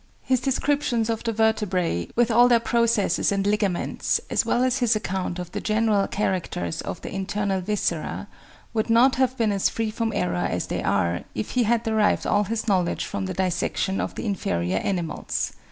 His descriptions of the vertebræ, with all their processes and ligaments, as well as his account of the general characters of the internal viscera, would not have been as free from error as they are if he had derived all his knowledge from the dissection of the inferior animals.